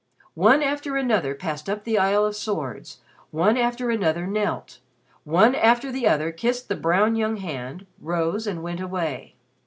One after another passed up the aisle of swords, one after another knelt, one after the other kissed the brown young hand, rose and went away.